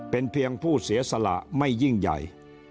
เป็นเพียงผู้เสียสละไม่ยิ่งใหญ่